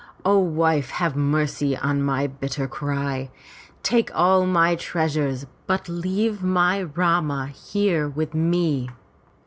O wife, have mercy on my bitter cry. Take all my treasures but leave my Rama here with me!"